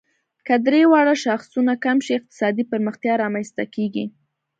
که درې واړه شاخصونه کم شي، اقتصادي پرمختیا رامنځ ته کیږي.